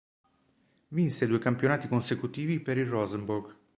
Vinse due campionati consecutivi per il Rosenborg.